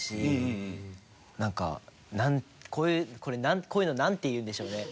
なんかこういうのなんていうんでしょうね。